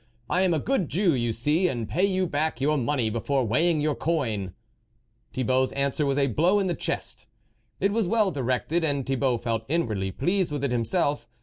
" I am a good Jew, you see, and pay you back your money before weighing your coin." Thibault's answer was a blow in the chest ; it was well directed, and Thibault felt inwardly pleased with it himself.